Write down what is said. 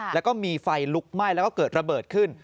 แล้วก็มีไฟลุกไหม้แล้วก็เกิดระเบิดขึ้น